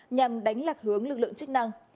nhằm đánh lạc hướng lực lượng chức năng